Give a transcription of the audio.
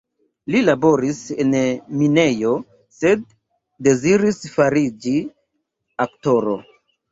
Li laboris en minejo, sed deziris fariĝi aktoro.